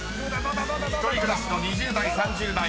［１人暮らしの２０代３０代］